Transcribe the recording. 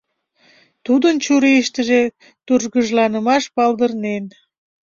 Тудын чурийыштыже тургыжланымаш палдырнен.